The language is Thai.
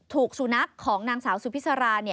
ถูกสุนัขของนางสาวสุพิษรา